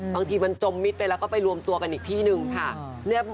บางทีมันจมมิตรไปแล้วก็ไปรวมตัวกันอีกที่หนึ่งค่ะ